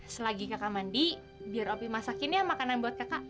selagi kakak mandi biar opi masakin ya makanan buat kakak